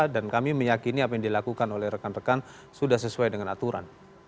dan kami meyakini apa yang dilakukan oleh rekan rekan sudah sesuai dengan aturan